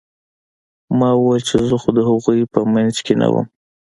ما وويل چې زه خو د هغوى په منځ کښې نه وم.